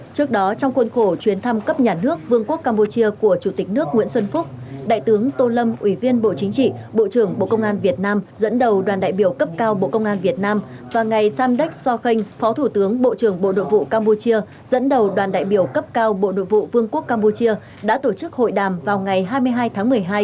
trước đó trong khuôn khổ chuyến thăm cấp nhà nước vương quốc campuchia của chủ tịch nước nguyễn xuân phúc đại tướng tô lâm ủy viên bộ chính trị bộ trưởng bộ công an việt nam dẫn đầu đoàn đại biểu cấp cao bộ công an việt nam và ngài samdech sokhenh phó thủ tướng bộ trưởng bộ nội vụ campuchia dẫn đầu đoàn đại biểu cấp cao bộ nội vụ vương quốc campuchia đã tổ chức hội đàm vào ngày hai mươi hai tháng một mươi hai